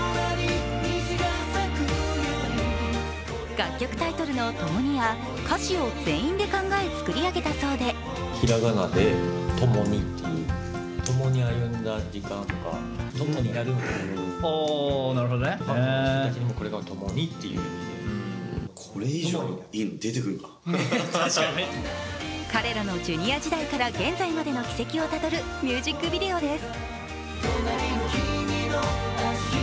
楽曲タイトルの「ともに」や歌詞を全員で考え作り上げたそうで彼らのジュニア時代から現在までの軌跡をたどるミュージックビデオです。